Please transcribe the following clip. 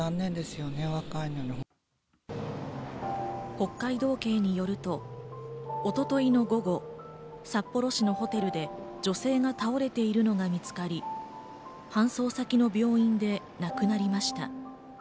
北海道警によると一昨日の午後、札幌市のホテルで女性が倒れているのが見つかり、搬送先の病院で亡くなりました。